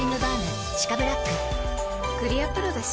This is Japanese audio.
クリアプロだＣ。